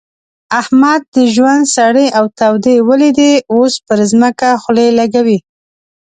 احمد د ژوند سړې او تودې وليدې؛ اوس پر ځمکه خولې لګوي.